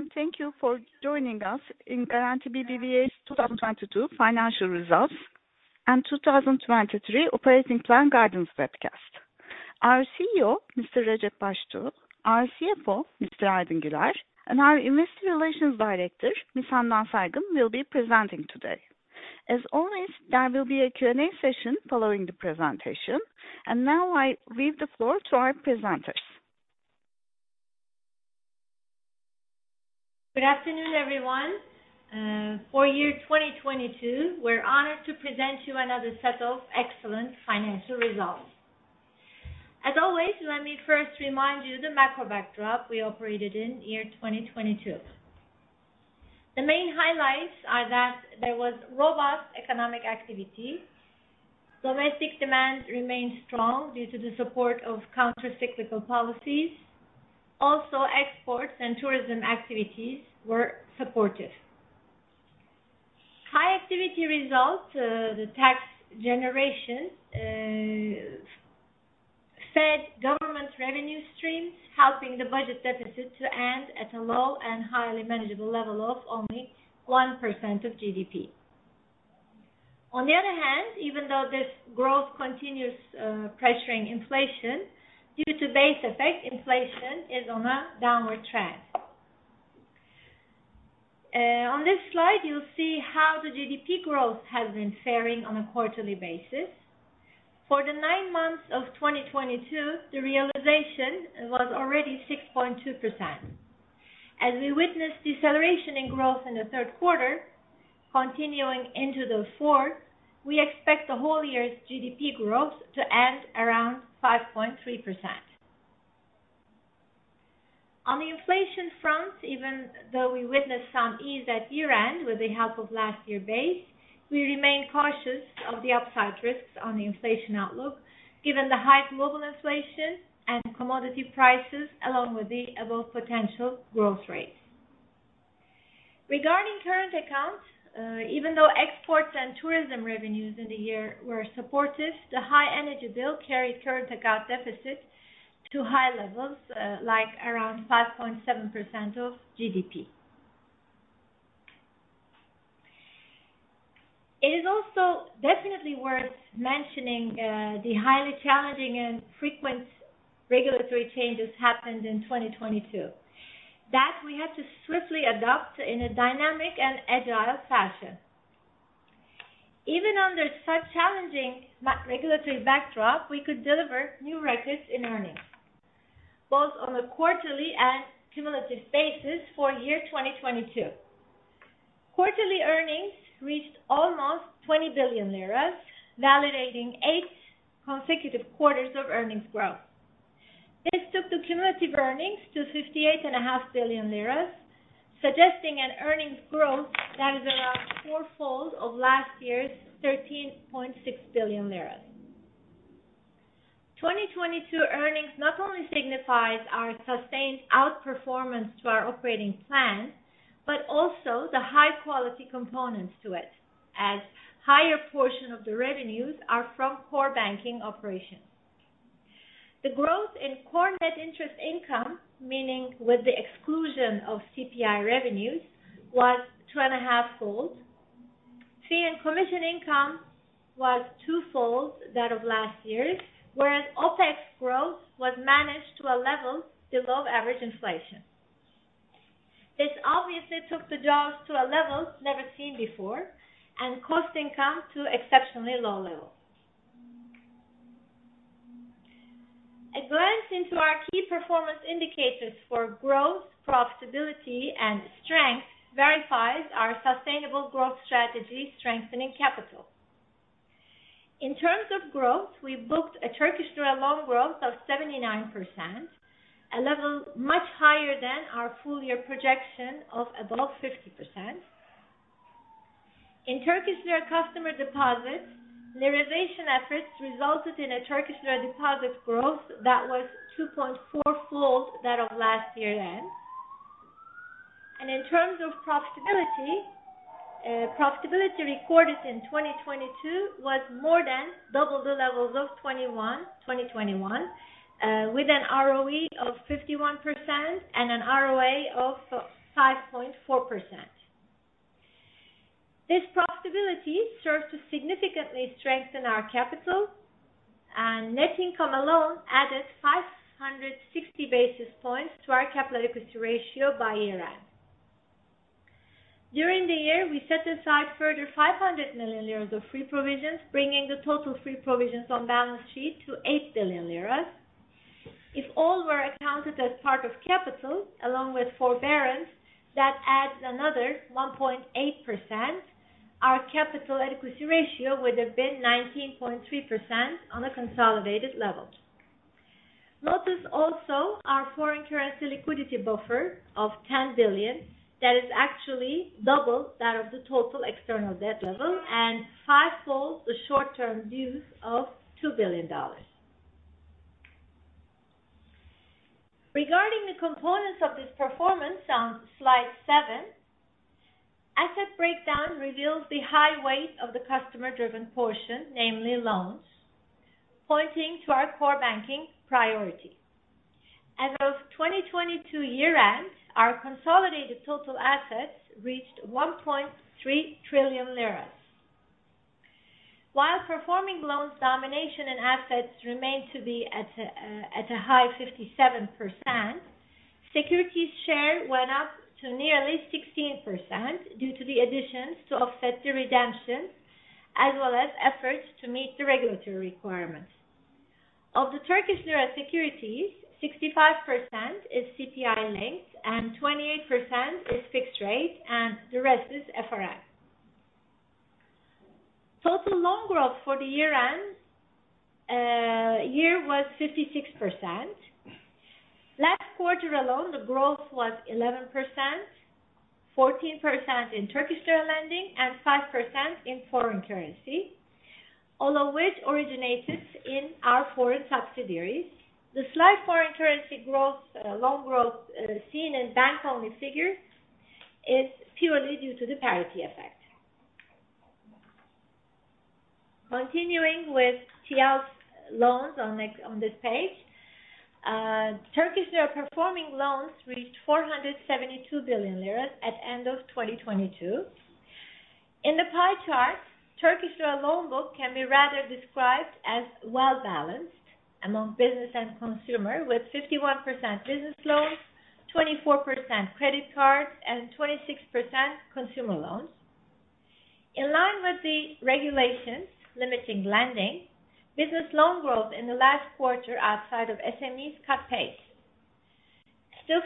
Hello, thank you for joining us in Garanti BBVA's 2022 financial results and 2023 operating plan guidance webcast. Our CEO, Mr. Recep Baştuğ, our CFO, Mr. Aydın Güler, and our Investor Relations Director, Ms. Handan Saygın, will be presenting today. As always, there will be a Q&A session following the presentation. Now I leave the floor to our presenters. Good afternoon, everyone. For year 2022, we're honored to present you another set of excellent financial results. As always, let me first remind you the macro backdrop we operated in year 2022. The main highlights are that there was robust economic activity. Domestic demand remained strong due to the support of countercyclical policies. Exports and tourism activities were supportive. High activity results, the tax generation, fed government revenue streams, helping the budget deficit to end at a low and highly manageable level of only 1% of GDP. Even though this growth continues, pressuring inflation, due to base effect, inflation is on a downward trend. On this slide, you'll see how the GDP growth has been faring on a quarterly basis. For the nine months of 2022, the realization was already 6.2%. As we witness deceleration in growth in the third quarter continuing into the fourth, we expect the whole year's GDP growth to end around 5.3%. On the inflation front, even though we witnessed some ease at year-end with the help of last year base, we remain cautious of the upside risks on the inflation outlook, given the high global inflation and commodity prices, along with the above potential growth rates. Regarding current accounts, even though exports and tourism revenues in the year were supportive, the high energy bill carried current account deficit to high levels, like around 5.7% of GDP. It is also definitely worth mentioning, the highly challenging and frequent regulatory changes happened in 2022, that we had to swiftly adopt in a dynamic and agile fashion. Even under such challenging regulatory backdrop, we could deliver new records in earnings, both on a quarterly and cumulative basis for year 2022. Quarterly earnings reached almost 20 billion lira, validating eight consecutive quarters of earnings growth. This took the cumulative earnings to 58.5 billion lira, suggesting an earnings growth that is around four-fold of last year's 13.6 billion lira. 2022 earnings not only signifies our sustained outperformance to our operating plan, but also the high quality components to it, as higher portion of the revenues are from core banking operations. The growth in core net interest income, meaning with the exclusion of CPI revenues, was two and 1/2 fold. Fee and commission income was two-fold that of last year's, whereas OpEx growth was managed to a level below average inflation. This obviously took the jobs to a level never seen before and cost income to exceptionally low levels. A glance into our key performance indicators for growth, profitability and strength verifies our sustainable growth strategy, strengthening capital. In terms of growth, we booked a TRY loan growth of 79%, a level much higher than our full year projection of above 50%. In TRY customer deposits, liraization efforts resulted in a TRY deposit growth that was 2.4-fold that of last year end. In terms of profitability recorded in 2022 was more than double the levels of 2021, with an ROE of 51% and an ROA of 5.4%. This profitability serves to significantly strengthen our capital. Net income alone added 560 basis points to our capital equity ratio by year end. During the year, we set aside further 500 million lira of free provisions, bringing the total free provisions on balance sheet to 8 billion lira. If all were accounted as part of capital, along with forbearance, that adds another 1.8%, our capital adequacy ratio would have been 19.3% on a consolidated level. Notice also our foreign currency liquidity buffer of $10 billion, that is actually double that of the total external debt level and five-fold the short-term dues of $2 billion. Regarding the components of this performance on slide seven, reveals the high weight of the customer-driven portion, namely loans, pointing to our core banking priority. As of 2022 year-end, our consolidated total assets reached 1.3 trillion lira. While performing loans domination and assets remained to be at a high 57%, securities share went up to nearly 16% due to the additions to offset the redemption, as well as efforts to meet the regulatory requirements. Of the Turkish lira securities, 65% is CPI linked and 28% is fixed rate, and the rest is FRN. Total loan growth for the year-end year was 56%. Last quarter alone, the growth was 11%, 14% in Turkish lira lending, and 5% in foreign currency, all of which originated in our foreign subsidiaries. The slight foreign currency growth, loan growth, seen in bank-only figures is purely due to the parity effect. Continuing with TL loans on this page. Turkish lira performing loans reached 472 billion lira at end of 2022. In the pie chart, Turkish lira loan book can be rather described as well-balanced among business and consumer, with 51% business loans, 24% credit cards, and 26% consumer loans. In line with the regulations limiting lending, business loan growth in the last quarter outside of SMEs cut pace.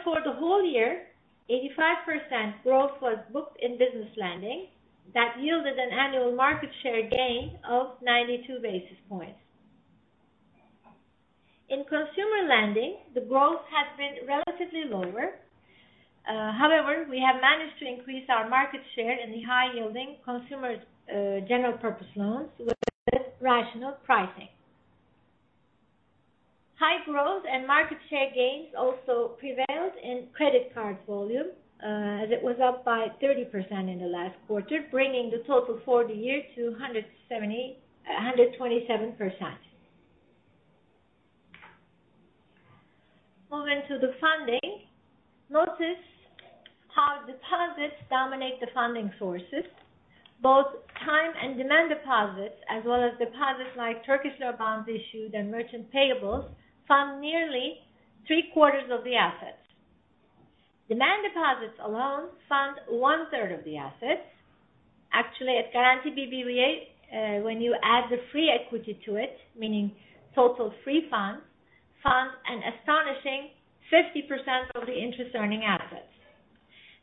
For the whole year, 85% growth was booked in business lending. That yielded an annual market share gain of 92 basis points. In consumer lending, the growth has been relatively lower. However, we have managed to increase our market share in the high-yielding consumer general purpose loans with rational pricing. High growth and market share gains also prevailed in credit card volume, as it was up by 30% in the last quarter, bringing the total for the year to 127%. Moving to the funding. Notice how deposits dominate the funding sources. Both time and demand deposits, as well as deposits like Turkish lira bonds issued and merchant payables fund nearly three-quarters of the assets. Demand deposits alone fund one-third of the assets. Actually, at Garanti BBVA, when you add the free equity to it, meaning total free funds an astonishing 50% of the interest-earning assets.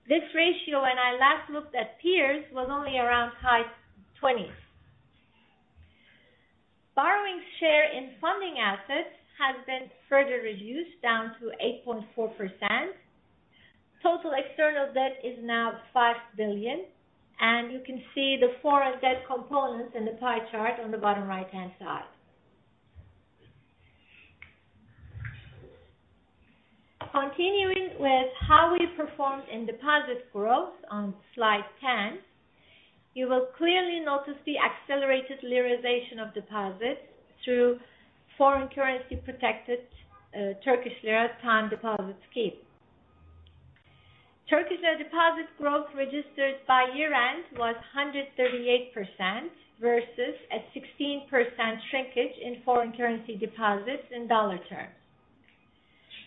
This ratio, when I last looked at peers, was only around high 20%s. Borrowing share in funding assets has been further reduced down to 8.4%. Total external debt is now 5 billion. You can see the foreign debt components in the pie chart on the bottom right-hand side. Continuing with how we performed in deposit growth on slide 10, you will clearly notice the accelerated liraization of deposits through foreign exchange-protected deposit scheme. Turkish lira deposit growth registered by year-end was 138% versus a 16% shrinkage in foreign currency deposits in USD terms.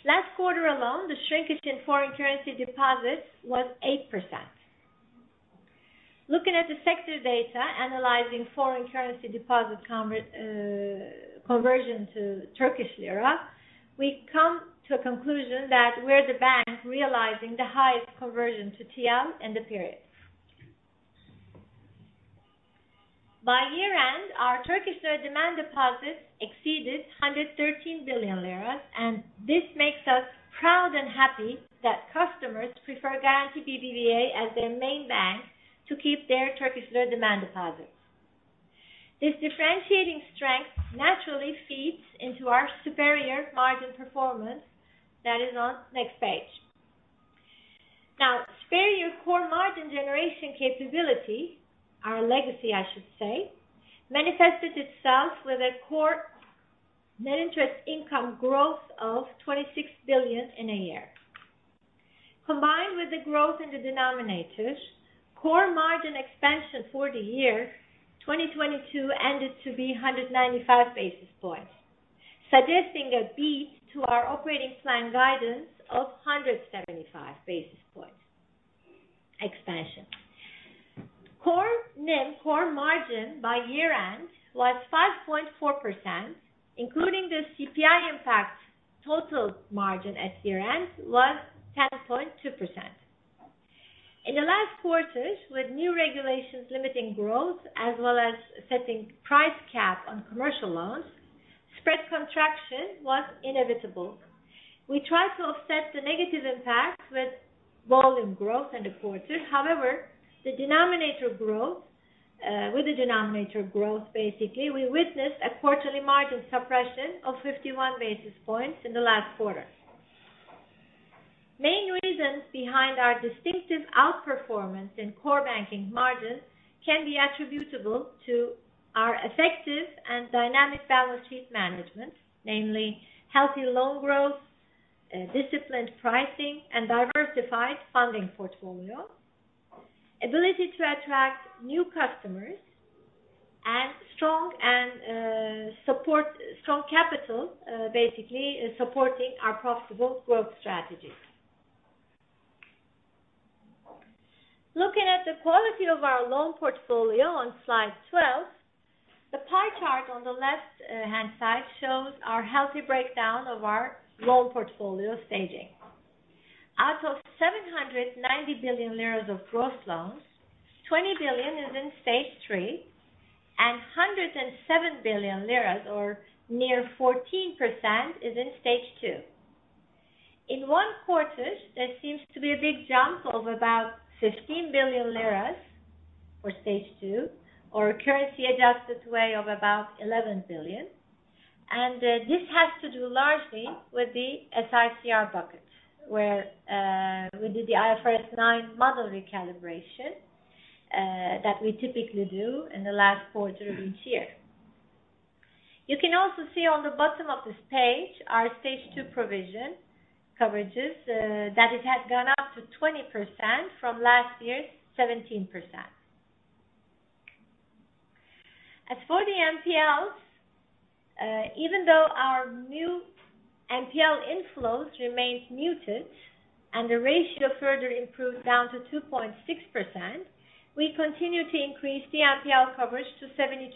Last quarter alone, the shrinkage in foreign currency deposits was 8%. Looking at the sector data analyzing foreign currency deposit conversion to Turkish lira, we come to a conclusion that we're the bank realizing the highest conversion to TRY in the period. By year-end, our Turkish lira demand deposits exceeded 113 billion lira, this makes us proud and happy that customers prefer Garanti BBVA as their main bank to keep their Turkish lira demand deposits. This differentiating strength naturally feeds into our superior margin performance that is on next page. Now, superior core margin generation capability, our legacy, I should say, manifested itself with a core net interest income growth of 26 billion in a year. Combined with the growth in the denominators, core margin expansion for the year 2022 ended to be 195 basis points, suggesting a beat to our operating plan guidance of 175 basis points expansion. Core NIM, core margin by year-end was 5.4%, including the CPI impact. Total margin at year-end was 10.2%. In the last quarters, with new regulations limiting growth as well as setting price cap on commercial loans, spread contraction was inevitable. We tried to offset the negative impacts with volume growth in the quarter. With the denominator growth, basically, we witnessed a quarterly margin suppression of 51 basis points in the last quarter. Main reasons behind our distinctive outperformance in core banking margins can be attributable to our effective and dynamic balance sheet management, namely healthy loan growth, disciplined pricing, and diversified funding portfolio. Ability to attract new customers and strong capital, basically supporting our profitable growth strategy. Looking at the quality of our loan portfolio on slide 12, the pie chart on the left hand side shows our healthy breakdown of our loan portfolio staging. Out of 790 billion lira of gross loans, 20 billion is in Stage 3 and 107 billion lira or near 14% is in Stage 2. In one quarter, there seems to be a big jump of about 15 billion lira for Stage 2, or a currency adjusted way of about 11 billion. This has to do largely with the SICR bucket, where we did the IFRS 9 model recalibration that we typically do in the last quarter of each year. You can also see on the bottom of this page, our Stage 2 provision coverages that it had gone up to 20% from last year's 17%. As for the NPLs, even though our new NPL inflows remains muted and the ratio further improved down to 2.6%, we continue to increase the NPL coverage to 72%,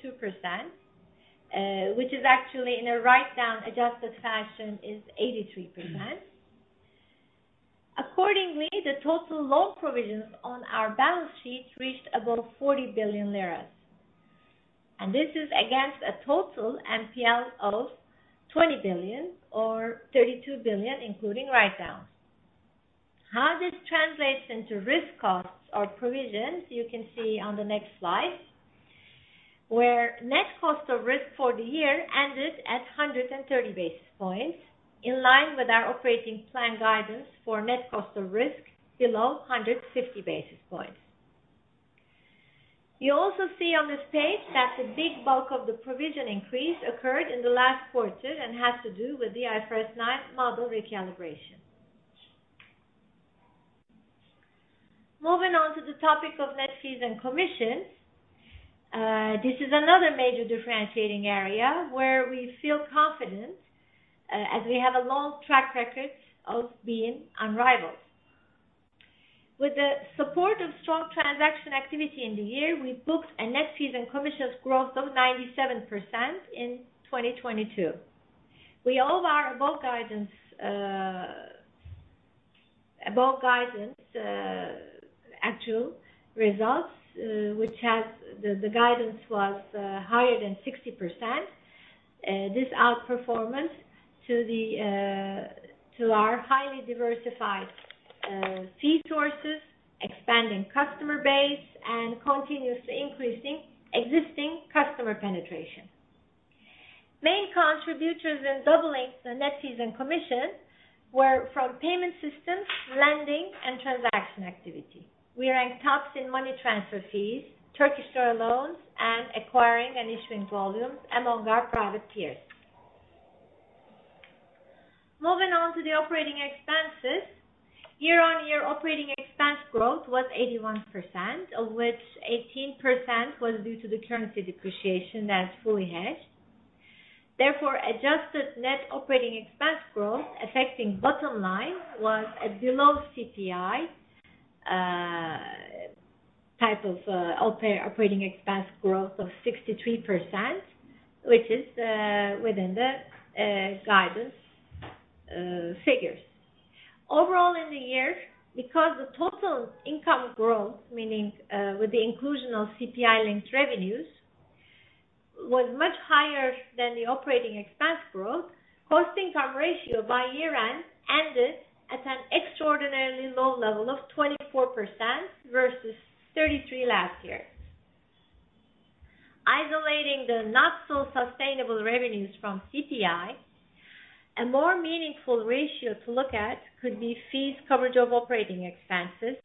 which is actually in a write-down adjusted fashion is 83%. Accordingly, the total loan provisions on our balance sheet reached above 40 billion lira. This is against a total NPL of 20 billion or 32 billion, including write-downs. How this translates into risk costs or provisions you can see on the next slide, where net cost of risk for the year ended at 130 basis points in line with our operating plan guidance for net cost of risk below 150 basis points. You also see on this page that the big bulk of the provision increase occurred in the last quarter and has to do with the IFRS 9 model recalibration. Moving on to the topic of net fees and commissions. This is another major differentiating area where we feel confident as we have a long track record of being unrivaled. With the support of strong transaction activity in the year, we booked a net fees and commissions growth of 97% in 2022. We owe our above guidance actual results, which the guidance was higher than 60%. This outperformance to the to our highly diversified fee sources, expanding customer base and continuously increasing existing customer penetration. Main contributors in doubling the net fees and commission were from payment systems, lending and transaction activity. We rank tops in money transfer fees, Turkish lira loans, and acquiring and issuing volumes among our private peers. Moving on to the operating expenses. Year-on-year operating expense growth was 81%, of which 18% was due to the currency depreciation that's fully hedged. Adjusted net operating expense growth affecting bottom line was a below CPI type of operating expense growth of 63%, which is within the guidance figures. Overall in the year, because the total income growth, meaning, with the inclusion of CPI linked revenues, was much higher than the operating expense growth, cost-income ratio by year-end ended at an extraordinarily low level of 24% versus 33% last year. Isolating the not so sustainable revenues from CPI, a more meaningful ratio to look at could be fees coverage of operating expenses,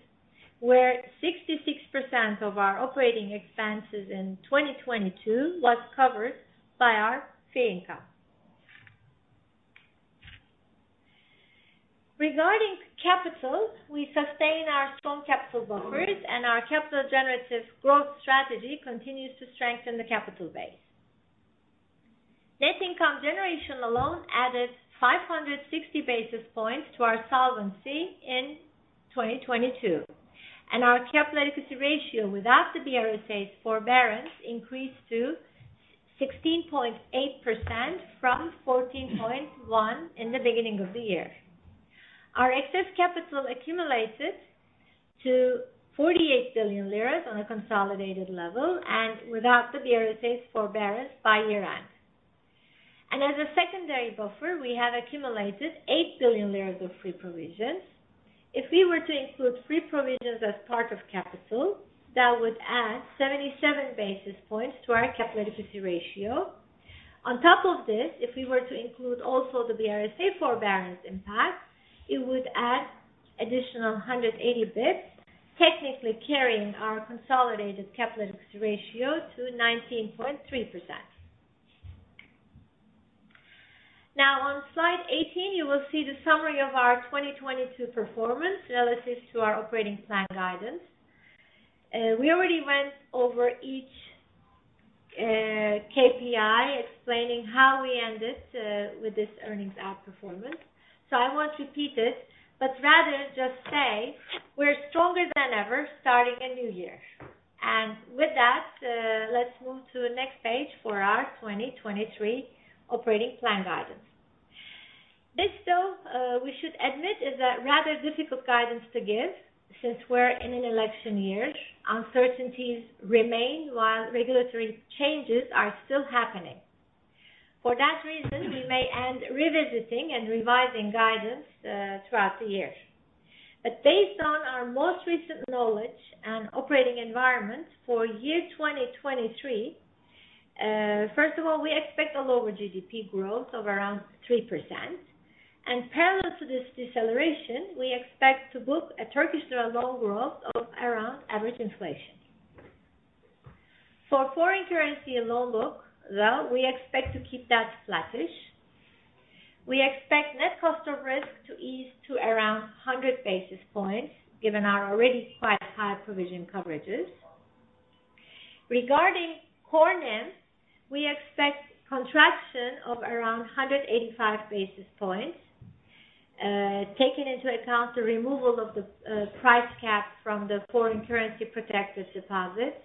where 66% of our operating expenses in 2022 was covered by our fee income. Regarding capital, we sustain our strong capital buffers and our capital generative growth strategy continues to strengthen the capital base. Net income generation alone added 560 basis points to our solvency in 2022, our capital adequacy ratio without the BRSA's forbearance increased to 16.8% from 14.1% in the beginning of the year. Our excess capital accumulated to 48 billion lira on a consolidated level and without the BRSA's forbearance by year-end. As a secondary buffer, we have accumulated 8 billion TRY of free provisions. If we were to include free provisions as part of capital, that would add 77 basis points to our capital adequacy ratio. On top of this, if we were to include also the BRSA forbearance impact, it would add additional 180 basis points, technically carrying our consolidated capital ratio to 19.3%. On slide 18, you will see the summary of our 2022 performance relative to our operating plan guidance. We already went over each KPI explaining how we ended with this earnings outperformance. I won't repeat it, but rather just say we're stronger than ever starting a new year. With that, let's move to the next page for our 2023 operating plan guidance. This, though, we should admit, is a rather difficult guidance to give since we're in an election year. Uncertainties remain while regulatory changes are still happening. For that reason, we may end revisiting and revising guidance throughout the year. Based on our most recent knowledge and operating environment for year 2023, first of all, we expect a lower GDP growth of around 3%. Parallel to this deceleration, we expect to book a Turkish lira loan growth of around average inflation. For foreign currency loan book, though, we expect to keep that flattish. We expect net cost of risk to ease to around 100 basis points given our already quite high provision coverages. Regarding core NIM, we expect contraction of around 185 basis points, taking into account the removal of the price cap from the foreign currency protected deposits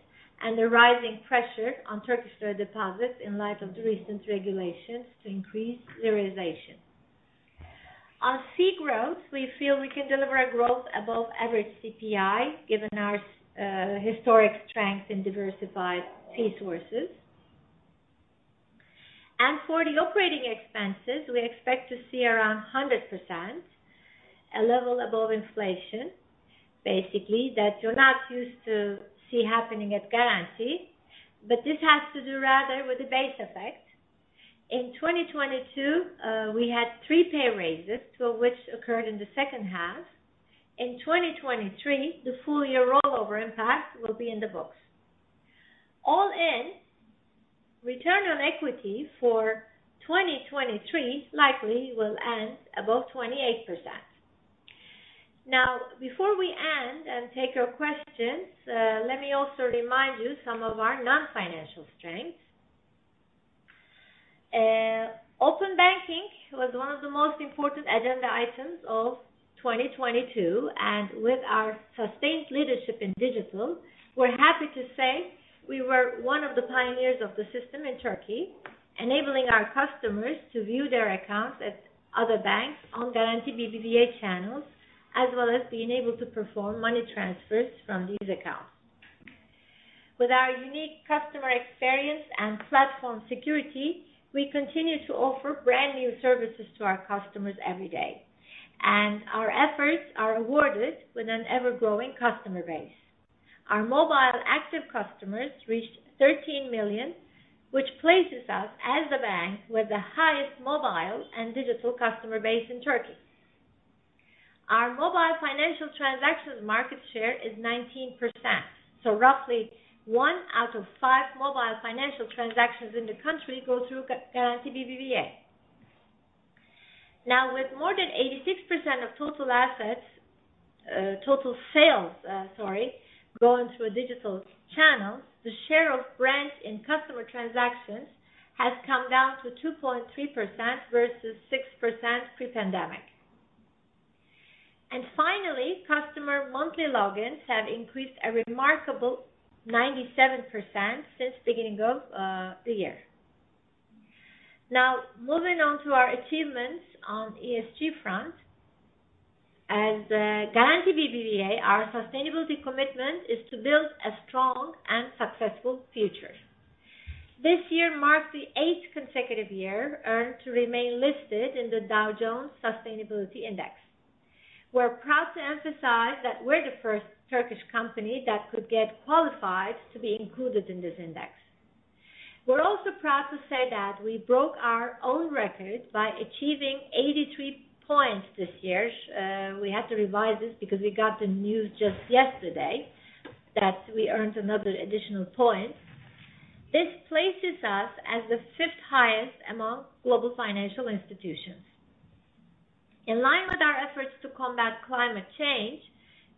and the rising pressure on Turkish lira deposits in light of the recent regulations to increase liraization. On fee growth, we feel we can deliver a growth above average CPI, given our historic strength in diversified fee sources. For the operating expenses, we expect to see around 100%, a level above inflation, basically, that you're not used to see happening at Garanti. This has to do rather with the base effect. In 2022, we had three pay raises, two of which occurred in the H2. In 2023, the full-year rollover impact will be in the books. All in, return on equity for 2023 likely will end above 28%. Before we end and take your questions, let me also remind you some of our non-financial strengths. Open banking was one of the most important agenda items of 2022, with our sustained leadership in digital, we're happy to say we were one of the pioneers of the system in Turkey, enabling our customers to view their accounts at other banks on Garanti BBVA channels, as well as being able to perform money transfers from these accounts. With our unique customer experience and platform security, we continue to offer brand new services to our customers every day, our efforts are awarded with an ever-growing customer base. Our mobile active customers reached 13 million, which places us as the bank with the highest mobile and digital customer base in Turkey. Our mobile financial transactions market share is 19%. Roughly one out of five mobile financial transactions in the country go through Garanti BBVA. With more than 86% of total assets, total sales, sorry, going through a digital channel, the share of branch in customer transactions has come down to 2.3% versus 6% pre-pandemic. Finally, customer monthly logins have increased a remarkable 97% since beginning of the year. Moving on to our achievements on ESG front. As Garanti BBVA, our sustainability commitment is to build a strong and successful future. This year marks the eighth consecutive year earned to remain listed in the Dow Jones Sustainability Index. We're proud to emphasize that we're the first Turkish company that could get qualified to be included in this index. We're also proud to say that we broke our own record by achieving 83 points this year. We had to revise this because we got the news just yesterday that we earned another additional point. This places us as the fifth highest among global financial institutions. In line with our efforts to combat climate change,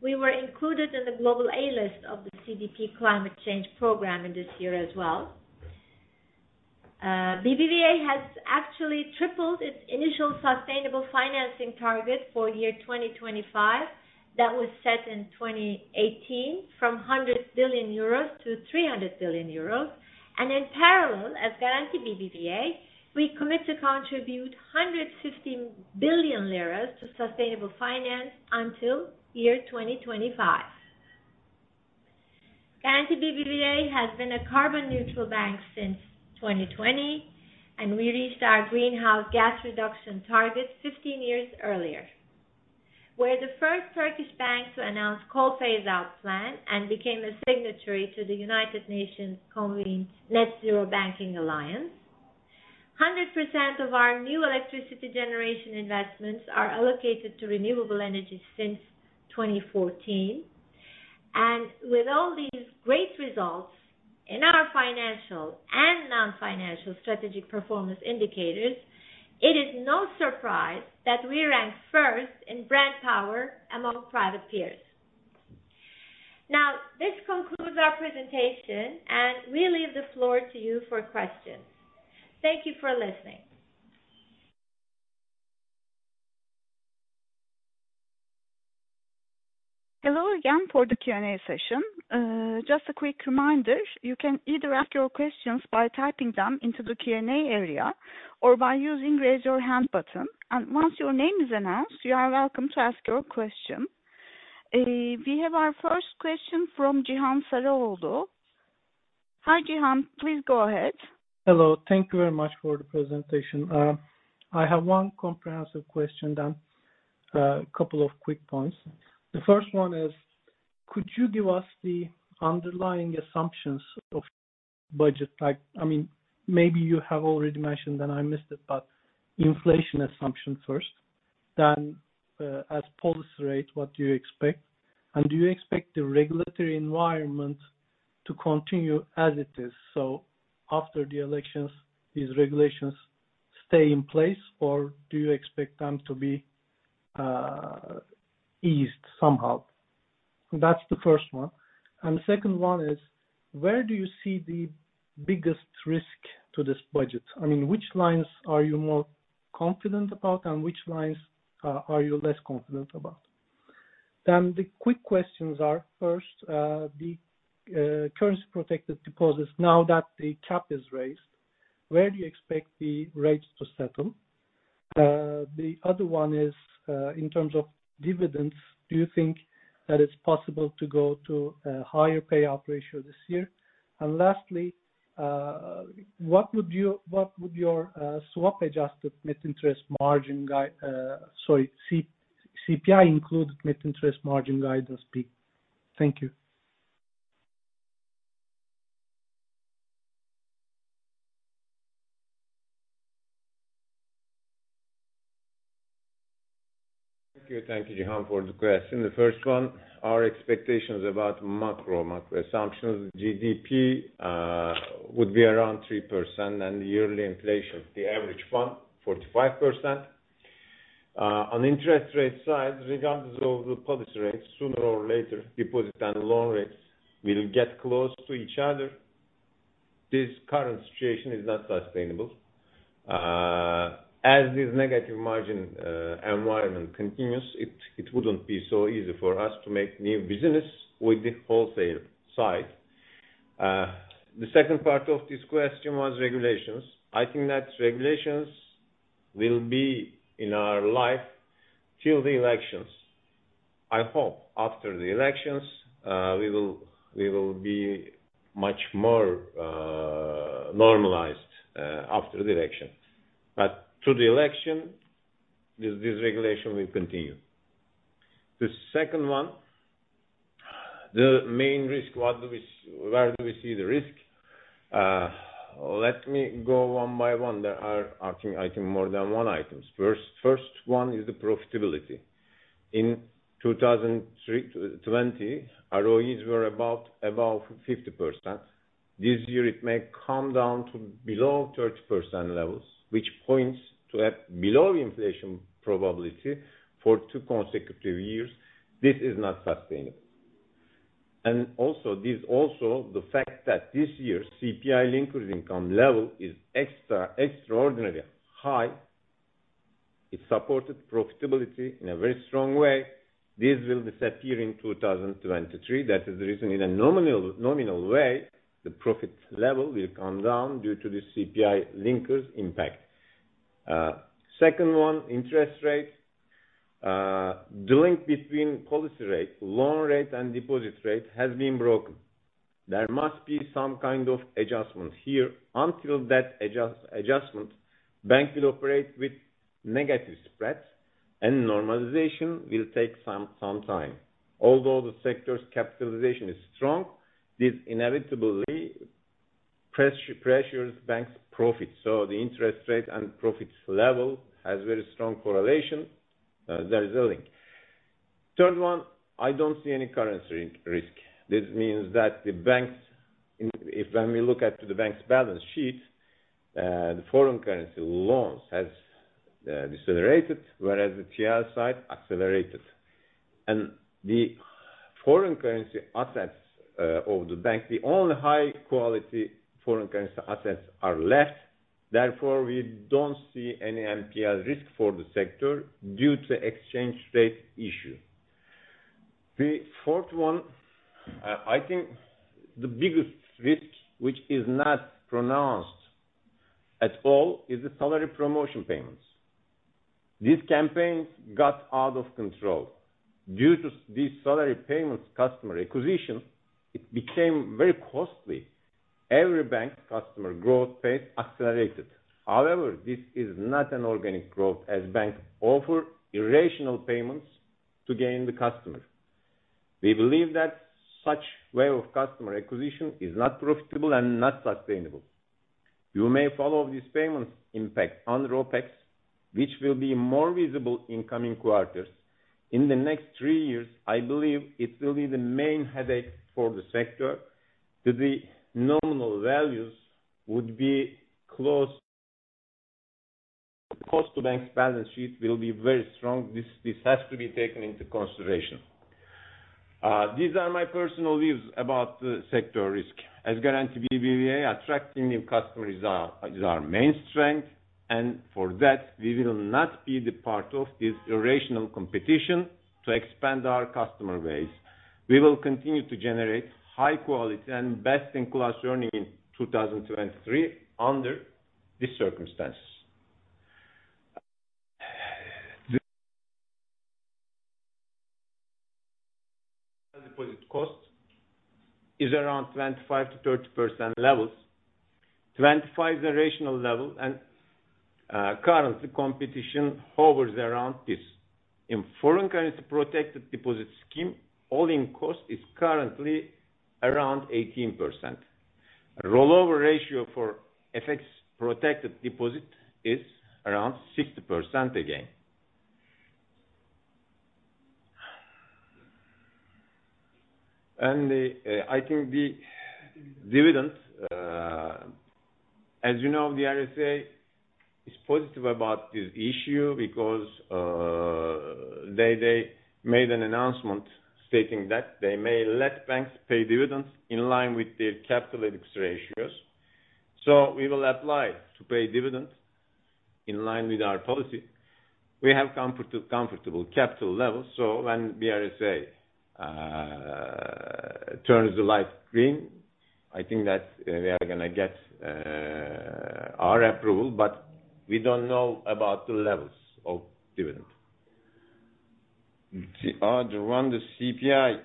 we were included in the global A list of the CDP Climate Change Program in this year as well. Garanti BBVA has actually tripled its initial sustainable financing target for year 2025 that was set in 2018 from 100 billion euros to 300 billion euros. In parallel, as Garanti BBVA, we commit to contribute 150 billion lira to sustainable finance until year 2025. Garanti BBVA has been a carbon neutral bank since 2020, and we reached our greenhouse gas reduction target 15 years earlier. We're the first Turkish bank to announce Coal Phase-Out plan and became a signatory to the United Nations convened Net-Zero Banking Alliance. 100% of our new electricity generation investments are allocated to renewable energy since 2014. With all these great results in our financial and non-financial strategic performance indicators, it is no surprise that we rank first in brand power among private peers. Now, this concludes our presentation, and we leave the floor to you for questions. Thank you for listening. Hello again for the Q&A session. Just a quick reminder, you can either ask your questions by typing them into the Q&A area or by using raise your hand button. Once your name is announced, you are welcome to ask your question. We have our first question from Cihan Saraçoğlu. Hi, Cihan Saraçoğlu, please go ahead. Hello. Thank you very much for the presentation. I have one comprehensive question, then, a couple of quick points. The first one is: Could you give us the underlying assumptions of budget? Like, I mean, maybe you have already mentioned and I missed it, but inflation assumption first, then, as policy rate, what do you expect? Do you expect the regulatory environment to continue as it is? After the elections, these regulations stay in place, or do you expect them to be eased somehow? That's the first one. The second one is: Where do you see the biggest risk to this budget? I mean, which lines are you more confident about and which lines are you less confident about? The quick questions are, first, the currency-protected deposits. Now that the cap is raised, where do you expect the rates to settle? The other one is, in terms of dividends, do you think that it's possible to go to a higher payout ratio this year? Lastly, what would your swap adjusted net interest margin guide, sorry, CPI include net interest margin guidance be? Thank you. Thank you. Thank you, Cihan Saraçoğlu, for the question. The first one, our expectations about macro assumptions, GDP, would be around 3%, and yearly inflation, the average one, 45%. On interest rate side, regardless of the policy rate, sooner or later, deposit and loan rates will get close to each other. This current situation is not sustainable. As this negative margin environment continues, it wouldn't be so easy for us to make new business with the wholesale side. The second part of this question was regulations. I think that regulations will be in our life till the elections. I hope after the elections, we will be much more normalized after the election. Through the election, this regulation will continue. The second one, the main risk, where do we see the risk? Let me go one by one. There are, I think, more than one items. First, one is the profitability. In 2020, ROEs were about above 50%. This year it may come down to below 30% levels, which points to a below inflation probability for two consecutive years. This is not sustainable. Also, the fact that this year's CPI linkers income level is extraordinarily high. It supported profitability in a very strong way. This will disappear in 2023. That is the reason in a nominal way, the profit level will come down due to the CPI linkers impact. Second one, interest rates. The link between policy rate, loan rate, and deposit rate has been broken. There must be some kind of adjustment here. Until that adjustment, bank will operate with negative spreads and normalization will take some time. Although the sector's capitalization is strong, this inevitably pressures banks profits. The interest rate and profits level has very strong correlation. There is a link. Third one, I don't see any currency risk. This means that the banks, if when we look at the bank's balance sheet, the foreign currency loans has decelerated, whereas the TL side accelerated. The foreign currency assets of the bank, the only high quality foreign currency assets are left. Therefore, we don't see any NPL risk for the sector due to exchange rate issue. The fourth one, I think the biggest risk, which is not pronounced at all, is the salary promotion payments. These campaigns got out of control. Due to these salary payments customer acquisition, it became very costly. Every bank customer growth pace accelerated. This is not an organic growth as banks offer irrational payments to gain the customer. We believe that such way of customer acquisition is not profitable and not sustainable. You may follow this payment impact on ROA/OpEx, which will be more visible in coming quarters. In the next three years, I believe it will be the main headache for the sector. The nominal values would be close. Cost to bank's balance sheet will be very strong. This has to be taken into consideration. These are my personal views about the sector risk. Garanti BBVA attracting new customers is our main strength, and for that, we will not be the part of this irrational competition to expand our customer base. We will continue to generate high quality and best-in-class earning in 2023 under these circumstances. The deposit cost is around 25%-30% levels. 25% is the rational level, currency competition hovers around this. In foreign exchange-protected deposit scheme, all-in cost is currently around 18%. Rollover ratio for FX protected deposit is around 60% again. The, I think the dividend, as you know, the BRSA is positive about this issue because they made an announcement stating that they may let banks pay dividends in line with their capital ratios. We will apply to pay dividends in line with our policy. We have comfortable capital levels. When BRSA turns the light green, I think that we are gonna get our approval, but we don't know about the levels of dividend. The other one, the CPI.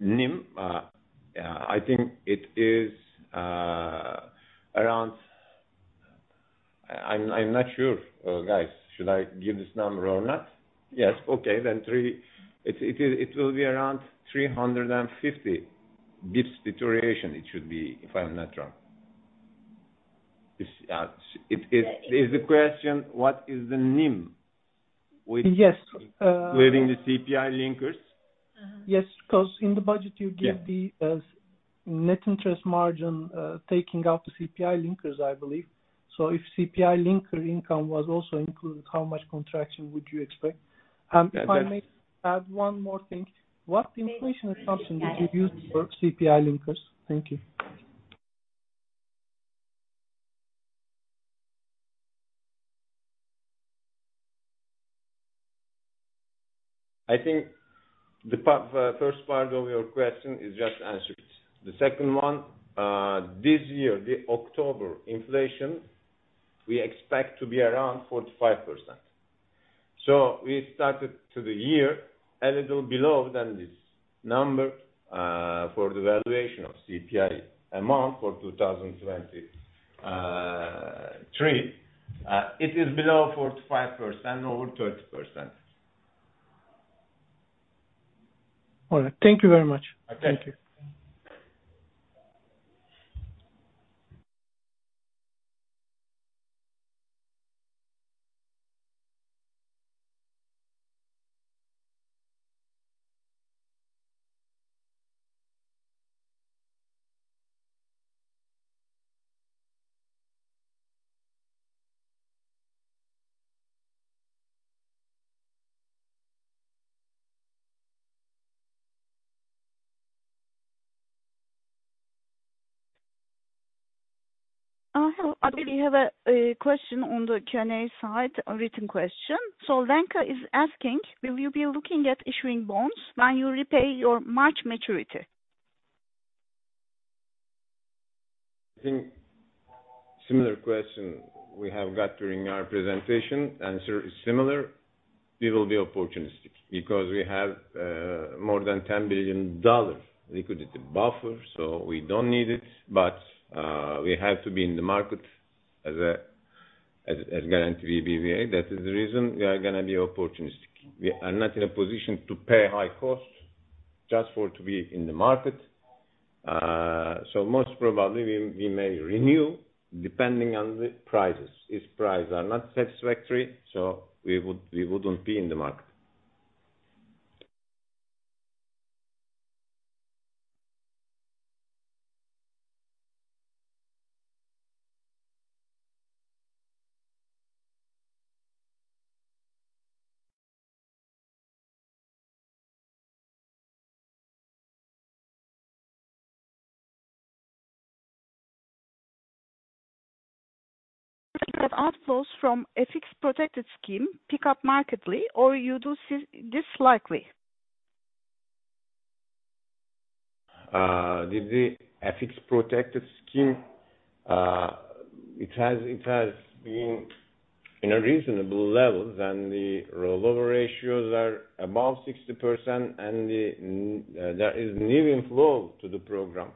NIM, yeah, I think it is around. I'm not sure. Guys, should I give this number or not? Yes. Okay. Three. It is, it will be around 350 basis points deterioration it should be, if I'm not wrong. Is the question what is the NIM with. Yes. Including the CPI linkers. Yes, because in the budget you give the net interest margin, taking out the CPI linkers, I believe. If CPI linker income was also included, how much contraction would you expect? If I may add one more thing. What inflation assumption did you use for CPI linkers? Thank you. I think the first part of your question is just answered. The second one, this year, the October inflation, we expect to be around 45%. We started to the year a little below than this number, for the valuation of CPI amount for 2023. It is below 45%, over 30%. All right. Thank you very much. Okay. Thank you. Hello. I believe you have a question on the Q&A side, a written question. [Alan Caiste] is asking, "Will you be looking at issuing bonds while you repay your March maturity? I think similar question we have got during our presentation. Answer is similar. We will be opportunistic because we have more than $10 billion liquidity buffer, so we don't need it. We have to be in the market as Garanti BBVA. That is the reason we are gonna be opportunistic. We are not in a position to pay high costs just for to be in the market. Most probably we may renew depending on the prices. If price are not satisfactory, we would, we wouldn't be in the market. Outflows from FX Protected Scheme pick up markedly or you do see this likely? It has been in a reasonable level than the rollover ratios are above 60% and there is new inflow to the program.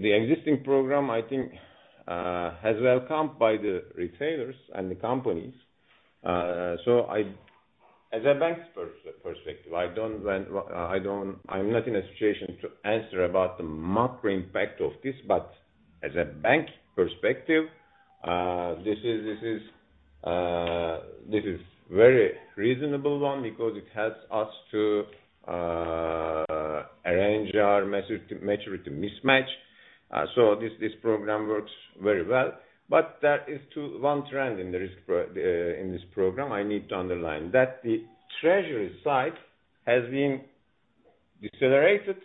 The existing program, I think, has welcomed by the retailers and the companies. As a bank perspective, I'm not in a situation to answer about the macro impact of this, but as a bank perspective, this is very reasonable one because it helps us to arrange our maturity mismatch. This program works very well. There is one trend in the risk in this program I need to underline, that the treasury side has been decelerated,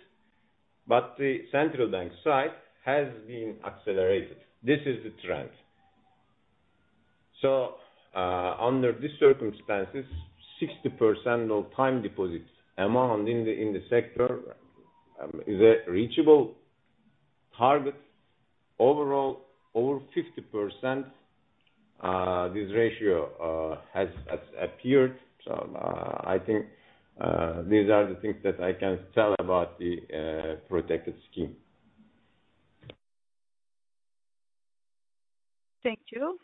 but the central bank side has been accelerated. This is the trend. Under these circumstances, 60% of time deposits amount in the sector is a reachable target. Overall, over 50%, this ratio has appeared. I think these are the things that I can tell about the protected scheme. Thank you.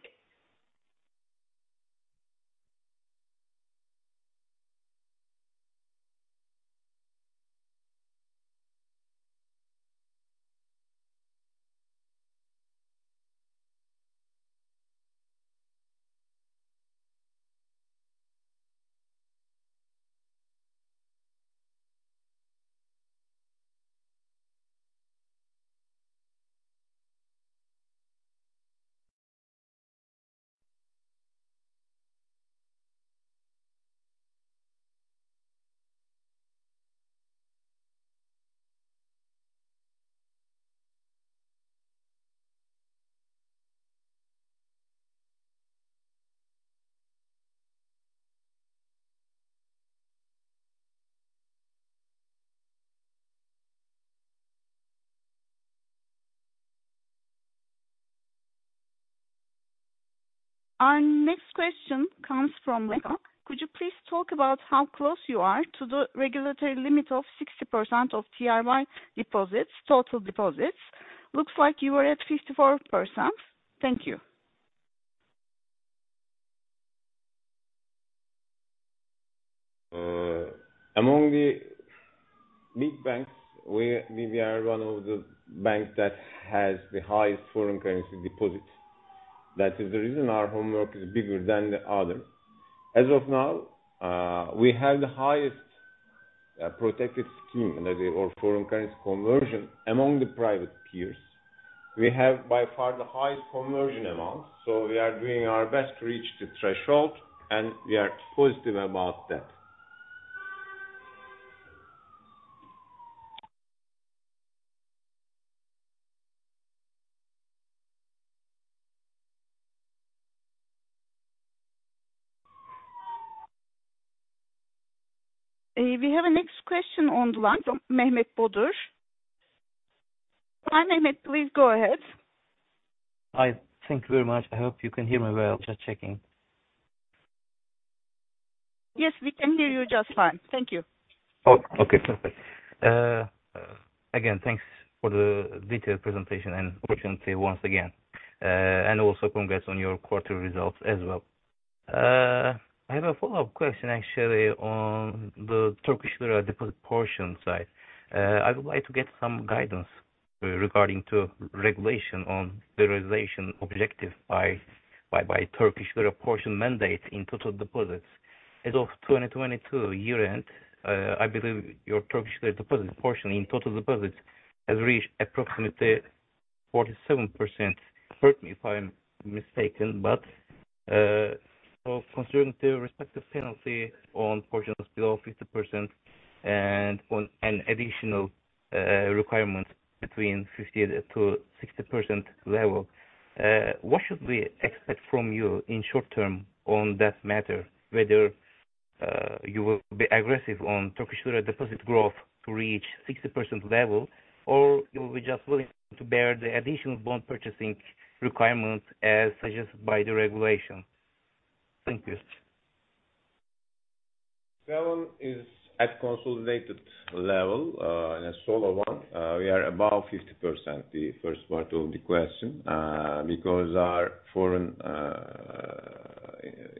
Our next question comes from [Alan Caiste]. Could you please talk about how close you are to the regulatory limit of 60% of TRY deposits, total deposits? Looks like you were at 54%. Thank you. Among the big banks, we are one of the banks that has the highest foreign currency deposits. That is the reason our homework is bigger than the others. As of now, we have the highest protected scheme or foreign currency conversion among the private peers. We have by far the highest conversion amounts, so we are doing our best to reach the threshold, and we are positive about that. We have a next question on the line from Mehmet Bodur. Hi, Mehmet Bodur, please go ahead. I thank you very much. I hope you can hear me well. Just checking. Yes, we can hear you just fine. Thank you. Okay, perfect. Again, thanks for the detailed presentation and opportunity once again. Also congrats on your quarter results as well. I have a follow-up question actually on the Turkish lira deposit portion side. I would like to get some guidance regarding to regulation on the realization objective by Turkish lira portion mandate in total deposits. As of 2022 year-end, I believe your Turkish lira deposit portion in total deposits has reached approximately 47%. Correct me if I'm mistaken, considering the respective penalty on portions below 50% and on an additional requirement between 50%-60% level, what should we expect from you in short term on that matter? Whether you will be aggressive on Turkish lira deposit growth to reach 60% level, or you'll be just willing to bear the additional bond purchasing requirements as suggested by the regulation? Thank you. Seven is at consolidated level, in a solo one. We are above 50%, the first part of the question, because our foreign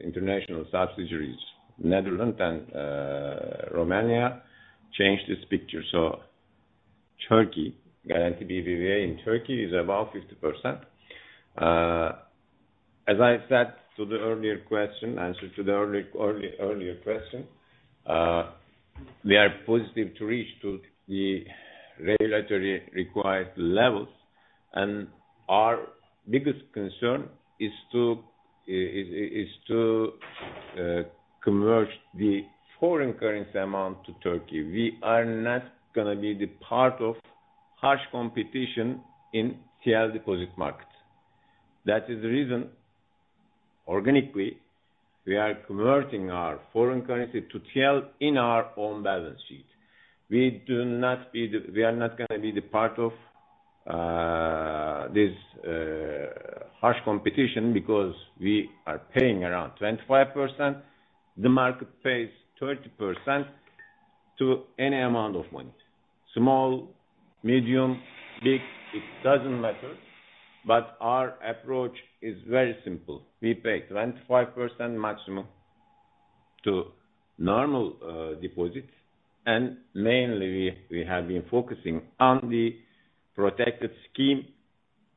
international subsidiaries, Netherlands and Romania, change this picture. Türkiye, Garanti BBVA in Türkiye is above 50%. As I said to the earlier question, answer to the earlier question, we are positive to reach to the regulatory required levels. Our biggest concern is to converge the foreign currency amount to Türkiye. We are not gonna be the part of harsh competition in TL deposit market. That is the reason. Organically, we are converting our foreign currency to TL in our own balance sheet. We are not gonna be the part of this harsh competition because we are paying around 25%. The market pays 30% to any amount of money. Small, medium, big, it doesn't matter. Our approach is very simple: we pay 25% maximum to normal deposits. Mainly we have been focusing on the protected scheme,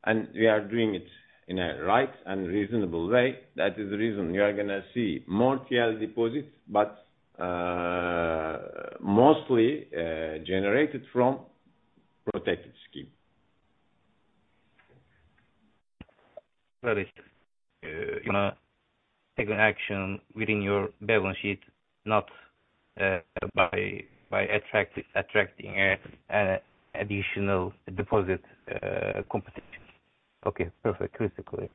and we are doing it in a right and reasonable way. That is the reason you are gonna see more TL deposits, but mostly generated from protected scheme. That is, you wanna take an action within your balance sheet, not by attracting an additional deposit, competition. Okay, perfect. Crystal clear. We have a written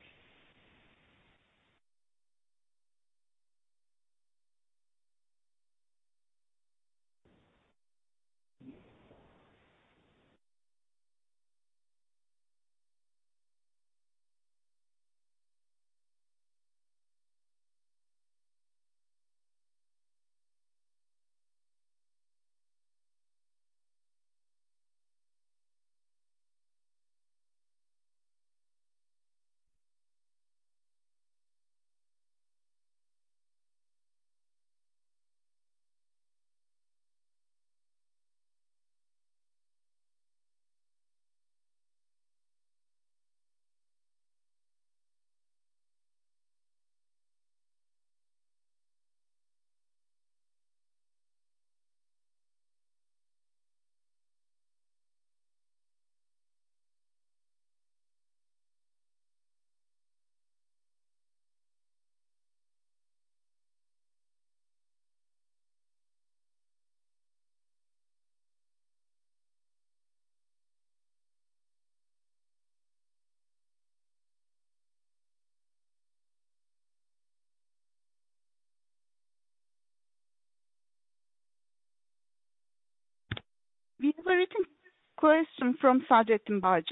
question from Sadık Mıhlar.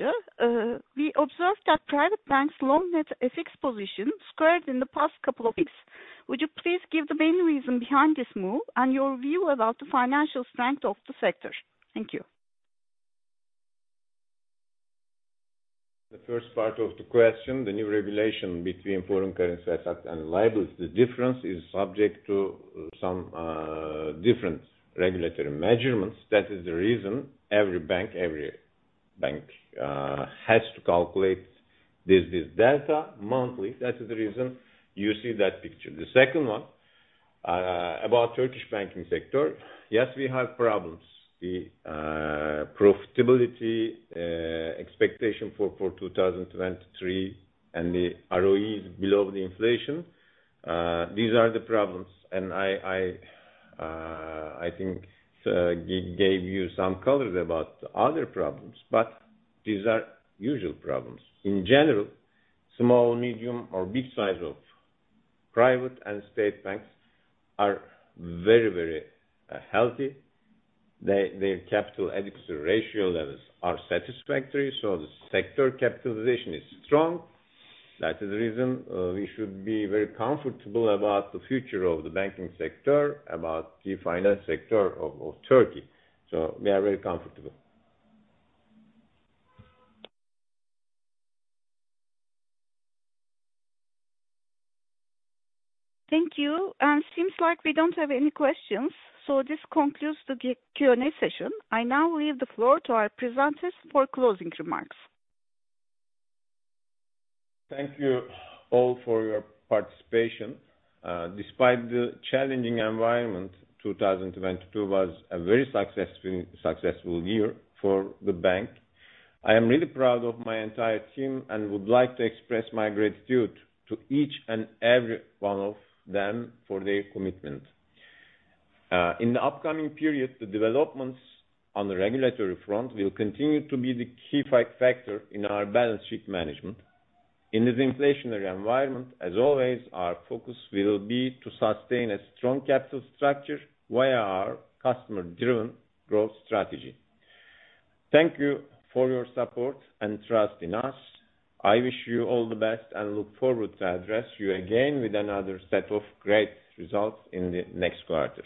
We observed that private banks loan net FX position squared in the past couple of weeks. Would you please give the main reason behind this move and your view about the financial strength of the sector? Thank you. The first part of the question, the new regulation between foreign currency assets and liabilities. The difference is subject to some different regulatory measurements. That is the reason every bank has to calculate this delta monthly. That is the reason you see that picture. The second one, about Turkish banking sector. Yes, we have problems. The profitability expectation for 2023 and the ROE is below the inflation. These are the problems and I think gave you some colors about other problems, but these are usual problems. In general, small, medium or big size of private and state banks are very healthy. Their capital adequacy ratio levels are satisfactory, so the sector capitalization is strong. That is the reason, we should be very comfortable about the future of the banking sector, about the finance sector of Turkey. We are very comfortable. Thank you. Seems like we don't have any questions. This concludes the Q&A session. I now leave the floor to our presenters for closing remarks. Thank you all for your participation. Despite the challenging environment, 2022 was a very successful year for the bank. I am really proud of my entire team and would like to express my gratitude to each and every one of them for their commitment. In the upcoming period, the developments on the regulatory front will continue to be the key factor in our balance sheet management. In this inflationary environment, as always, our focus will be to sustain a strong capital structure via our customer-driven growth strategy. Thank you for your support and trust in us. I wish you all the best and look forward to address you again with another set of great results in the next quarter.